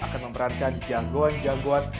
akan memerankan jagoan jagoan